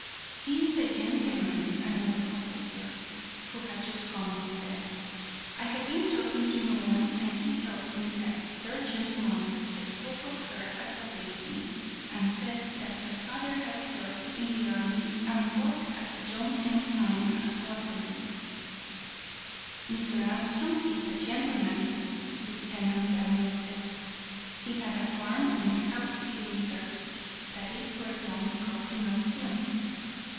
"He is a gentleman," another officer, who had just come up, said. "I have been talking to Nolan, and he tells me that Sergeant Blunt spoke of her as a lady, and said that her father had served in the army and fought as a young ensign at Waterloo." "Mr. Armstrong is a gentleman," Lieutenant Daniels said. "He had a farm on the Kabousie River, that is where Blunt got to know him.